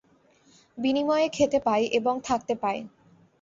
বিনিময়ে খেতে পায় এবং থাকতে পায়।